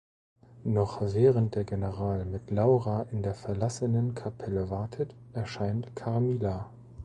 Noch während der General mit Laura in der verlassenen Kapelle wartet, erscheint Carmilla.